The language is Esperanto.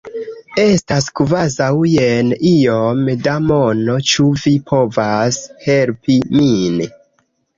Estas kvazaŭ jen iom da mono ĉu vi povas helpi min?